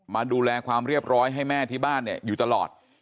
มาดูแลความเรียบร้อยให้แม่ที่บ้านเนี่ยอยู่ตลอด